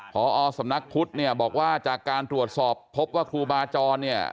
พอสำนักพุทธเนี่ยบอกว่าจากการตรวจสอบพบว่าครูบาจรเนี่ย